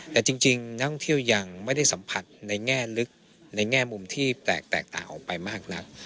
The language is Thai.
แต่จริงนักท่องเที่ยวยังไม่ได้สัมผัสในแง่ลึกในแง่มุมที่แปลกแตกต่างออกไปมากนัก